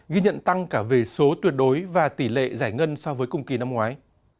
ghi nhận tăng cả về số tuyệt đối và tỷ lệ giải ngân so với cùng kỳ năm ngoái